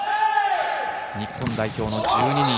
日本代表の１２人。